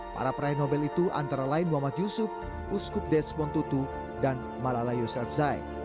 para peraih nobel itu antara lain muhammad yusuf uskub desmond tutu dan malala yusuf zai